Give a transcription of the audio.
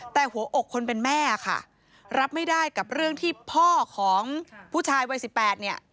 แต่หัวอกคนเป็นแม่ค่ะรับไม่ได้กับเรื่องที่พ่อของผู้ชายวัยสิบแปดเนี่ย